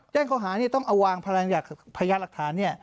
แจ้งข้อหาต้องเอาวางพยายามรักฐาน